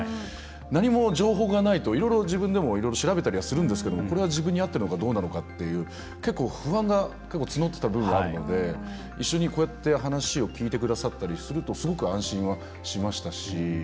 何も情報がないといろいろ自分でも調べたりはするんですけどこれは自分に合ってるのかどうなのかっていう結構、不安が募ってた部分があるので、一緒にこうやって話を聞いてくださったりするとすごく安心はしましたし。